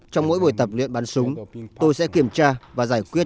trong mỗi buổi tập luyện bắn súng tôi sẽ kiểm tra và giải quyết